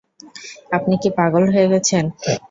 আপনি কি পাগল হয়ে গেছেন?